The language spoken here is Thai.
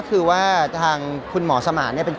เขาอย่างงี้